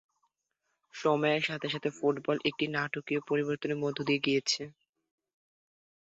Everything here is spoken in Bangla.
সময়ের সাথে সাথে ফুটবল একটি নাটকীয় পরিবর্তনের মধ্য দিয়ে গিয়েছে।